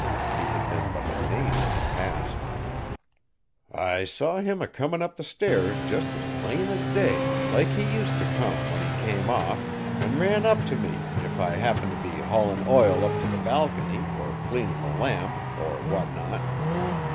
He had been but a name in the past. "I saw him a comin' up the stairs jest as plain as day, like he use t' come when he came off, an' ran up t' me, if I happened t' be haulin' ile up t' the balcony, or cleanin' the lamp, or what not.